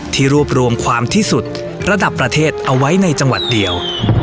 รวบรวมความที่สุดระดับประเทศเอาไว้ในจังหวัดเดียว